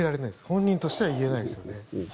本人としては言えないです。